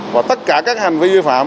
và tất cả các hành vi vi phạm